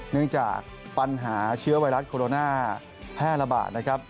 เนื่องจากปัญหาเชื้อไวรัสโคโรนาแพร่ระบาดนะครับ